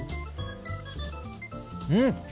うん！